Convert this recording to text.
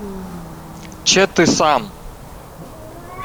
— Чети сам!